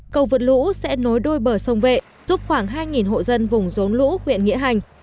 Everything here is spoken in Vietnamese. cầu vượt lũ sẽ nối đôi bờ sông vệ giúp khoảng hai hộ dân vùng rốn lũ huyện nghĩa hành